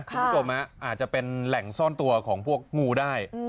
คุณผู้ชมอาจจะเป็นแหล่งซ่อนตัวของพวกงูได้